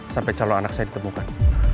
sampai calon anak saya ditemukan